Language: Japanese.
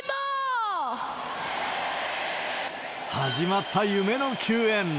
始まった夢の球宴。